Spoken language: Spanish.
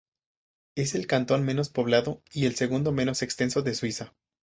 Es el cantón menos poblado y el segundo menos extenso de Suiza.